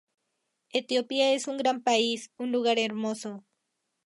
Etiopía es un gran país, un lugar hermoso.